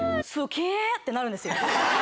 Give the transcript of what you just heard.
ってなるんですよ。